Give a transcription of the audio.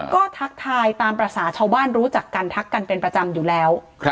ก็ทักทายตามภาษาชาวบ้านรู้จักกันทักกันเป็นประจำอยู่แล้ว